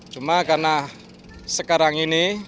cuma karena sekarang ini